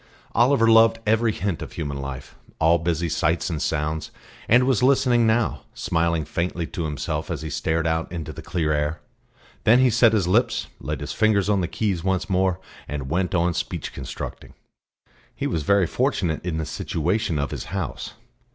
Oliver loved every hint of human life all busy sights and sounds and was listening now, smiling faintly to himself as he stared out into the clear air. Then he set his lips, laid his fingers on the keys once more, and went on speech constructing. He was very fortunate in the situation of his house.